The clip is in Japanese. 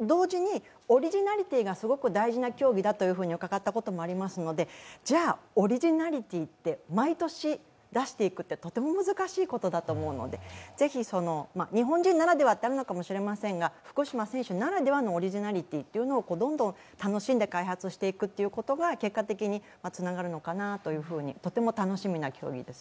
同時に、オリジナリティーがすごく大事な競技だと伺ったことがありますので、じゃあ、オリジナリティーって毎年出していくってとても難しいことだと思うので、ぜひ、日本人ならではってあるのかもしれませんが、福島選手ならではのオリジナリティーをどんどん楽しんで開発していくことが結果的につながるのかなという風に、とても楽しみな競技です。